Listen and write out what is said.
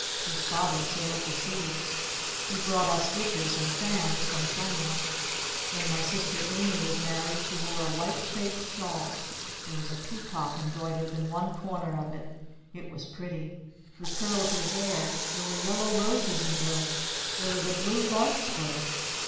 His father sailed the seas! He brought us dishes and fans from China! When my sister Amy was married she wore a white crêpe shawl. There was a peacock embroidered in one corner of it! It was pretty! We curled her hair! There were yellow roses in bloom! There was a blue larkspur!